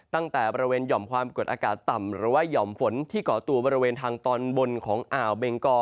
ตั้งแต่บริเวณหย่อมความกดอากาศต่ำหรือว่าห่อมฝนที่ก่อตัวบริเวณทางตอนบนของอ่าวเบงกอ